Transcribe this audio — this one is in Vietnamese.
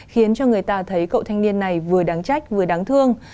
khiến cho người ta thấy cậu thanh niên này vừa đáng trách vừa đáng thương